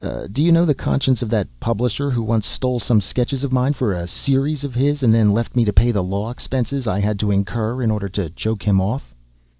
Do you know the conscience of that publisher who once stole some sketches of mine for a 'series' of his, and then left me to pay the law expenses I had to incur in order to choke him off?"